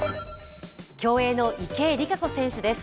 競泳の池江璃花子選手です。